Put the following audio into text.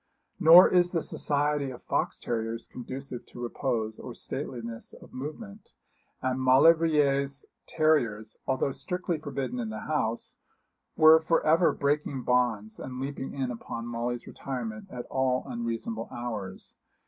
Nor is the society of fox terriers conducive to repose or stateliness of movement; and Maulevrier's terriers, although strictly forbidden the house, were for ever breaking bonds and leaping in upon Molly's retirement at all unreasonable hours.